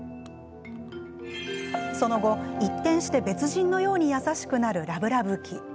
その後、一転して別人のように優しくなるラブラブ期。